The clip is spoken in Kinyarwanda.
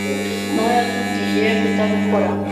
Nowa yatubwiye kutabikora.